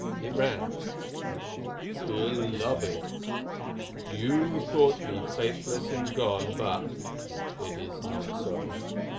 It ran: "BELOVED, "You thought me faithless and gone, but it is not so.